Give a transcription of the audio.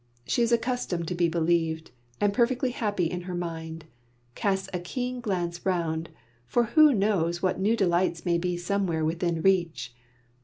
She is accustomed to be believed; and perfectly happy in her mind, casts a keen glance round, for who knows what new delights may be somewhere within reach!